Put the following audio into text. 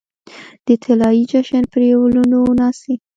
د طلايې جشن پرپلونو ناڅي